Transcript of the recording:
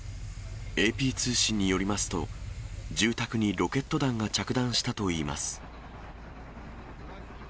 ＡＰ通信によりますと、住宅にロケット弾が着弾したといいます。